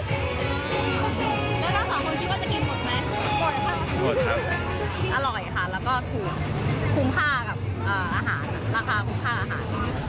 แล้วทั้งสองคนคิดว่าจะกินหมดไหมหมดครับหมดครับ